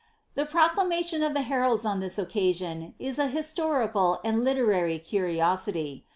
The proclamation of the heralds on this occasion is an historical and literary curiossity.